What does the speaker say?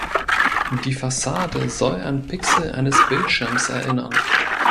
Die Fassade soll an Pixel eines Bildschirms erinnern.